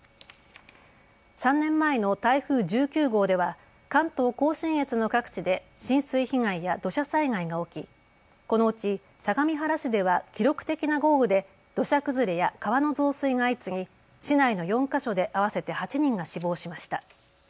３年前の台風１９号では関東甲信越の各地で浸水被害や土砂災害が起き、このうち相模原市では記録的な豪雨で土砂崩れや川の増水が相次ぎ市内の４か所で合わせて８人が死亡しました。